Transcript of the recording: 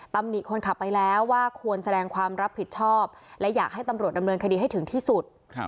หนิคนขับไปแล้วว่าควรแสดงความรับผิดชอบและอยากให้ตำรวจดำเนินคดีให้ถึงที่สุด